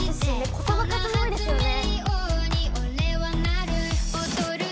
言葉数も多いですよね。